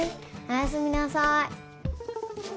おやすみなさい。